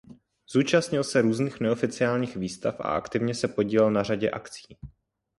Zúčastnil se různých neoficiálních výstav a aktivně se podílel na řadě akcí.